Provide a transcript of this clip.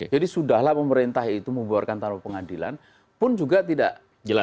jadi sudah lah pemerintah itu membubarkan tanpa pengadilan pun juga tidak jelas